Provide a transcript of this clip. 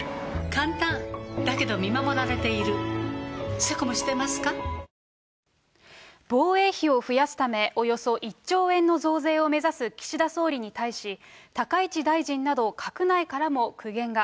乳酸菌が一時的な胃の負担をやわらげる防衛費を増やすため、およそ１兆円の増税を目指す岸田総理に対し、高市大臣など閣内からも苦言が。